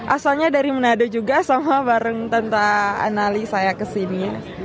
asalnya dari manado juga sama bareng tante annalie saya ke sini